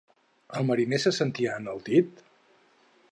El mariner se sentia enaltit?